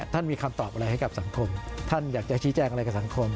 ท่านมีคำตอบอะไรให้กับสังคมท่านอยากจะชี้แจงอะไรกับสังคม